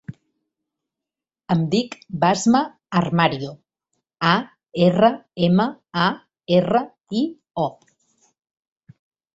Em dic Basma Armario: a, erra, ema, a, erra, i, o.